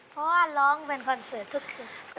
เพราะว่าร้องเป็นคอนเสิร์ตทุกคืน